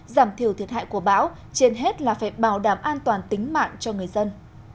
giảm thiểu thiệt hại của bão trên hết là phải bảo đảm an toàn tính mạng cho người dân